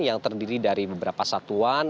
yang terdiri dari beberapa satuan